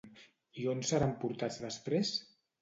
I on seran portats després?